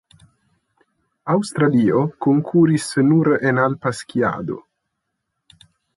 Aŭstralio konkuris nur en Alpa skiado.